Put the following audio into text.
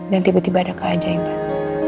dan tiba tiba ada keajaiban